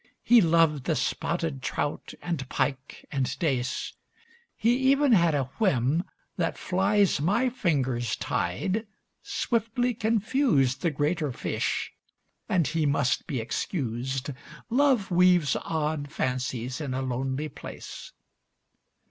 He loved the spotted trout, and pike, and dace. He even had a whim That flies my fingers tied swiftly confused The greater fish. And he must be excused, Love weaves odd fancies in a lonely place."